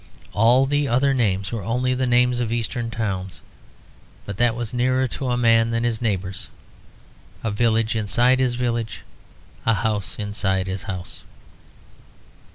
All the other names were only the names of Eastern towns; but that was nearer to a man than his neighbours; a village inside his village, a house inside his house.